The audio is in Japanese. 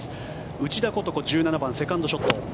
内田ことこ１７番、セカンドショット。